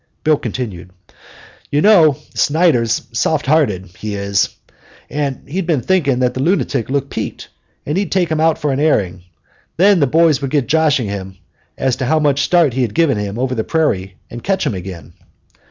Bill continued: "You know, Snyder's soft hearted, he is. Well, he'd think that lunatic looked peaked, and he'd take him out for an airing. Then the boys would get joshing him as to how much start he could give him over the prairie and catch him again."